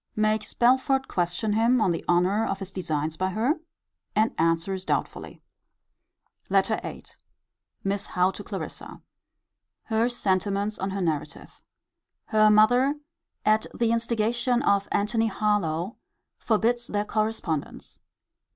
Makes Belford question him on the honour of his designs by her: and answers doubtfully. LETTER VIII. Miss Howe to Clarissa. Her sentiments on her narrative. Her mother, at the instigation of Antony Harlowe, forbids their correspondence.